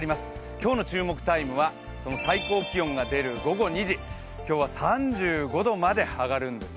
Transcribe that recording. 今日の注目タイムはこの最高気温が出る午後２時、今日は３５度まで上がるんです。